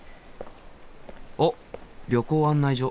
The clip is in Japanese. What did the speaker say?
おっ旅行案内所。